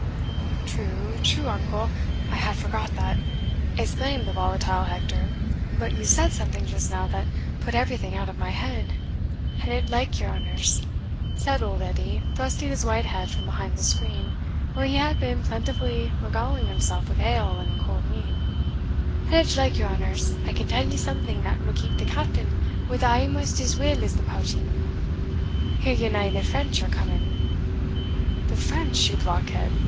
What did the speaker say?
"True, true, uncle I had forgot that," exclaimed the volatile Hector; "but you said something just now that put everything out of my head." "An it like your honours," said old Edie, thrusting his white head from behind the screen, where he had been plentifully regaling himself with ale and cold meat "an it like your honours, I can tell ye something that will keep the Captain wi' us amaist as weel as the pouting Hear ye na the French are coming?" "The French, you blockhead?"